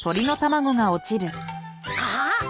あっ！